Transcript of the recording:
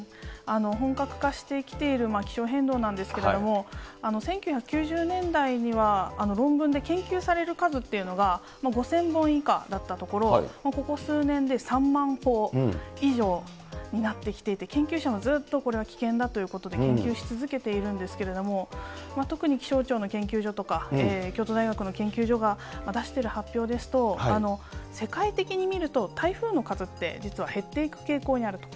本格化してきている気象変動なんですけれども、１９９０年代には、論文で研究される数っていうのが５０００本以下だったところ、ここ数年で３万本以上になってきていて、研究者もずっとこれは危険だということで研究し続けているんですけれども、特に気象庁の研究所とか、京都大学の研究所が出してる発表ですと、世界的に見ると、台風の数って、実は減っている傾向にあると。